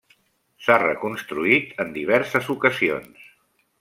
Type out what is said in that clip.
S'ha reconstruït en diverses ocasions.